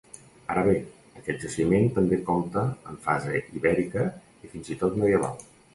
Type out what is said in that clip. Ara bé, aquest jaciment també compta amb fase ibèrica i fins i tot medieval.